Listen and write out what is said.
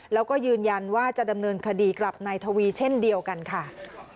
แล้วก็ยืนยันว่าจะดำเนินคดีกลับนายทวีเช่นเดียวกันค่ะ